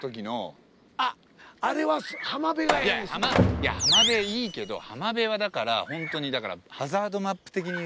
いや浜辺いいけど浜辺はだからホントに。